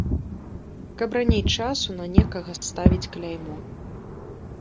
Каб раней часу на некага ставіць кляймо.